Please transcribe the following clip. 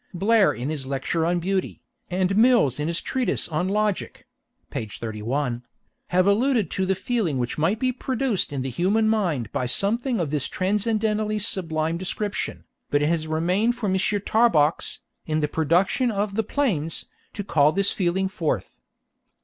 Blair in his lecture on beauty, and Mills in his treatise on logic, (p. 31,) have alluded to the feeling which might be produced in the human mind by something of this transcendentally sublime description, but it has remained for M. Tarbox, in the production of "The Plains," to call this feeling forth.